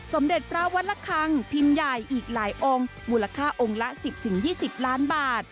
สมเด็จพระวัดละคังพิมพ์ใหญ่อีกหลายองค์มูลค่าองค์ละ๑๐๒๐ล้านบาท